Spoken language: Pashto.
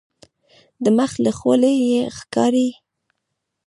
د مخ له خولیې یې ښکاري.